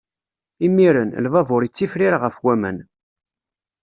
Imiren, lbabuṛ ittifrir ɣef waman.